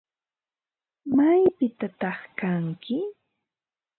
¿Maypitataq kanki?